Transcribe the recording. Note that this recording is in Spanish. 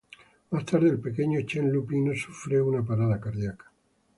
Más tarde, el pequeño Chen-Lupino sufre una parada cardiaca.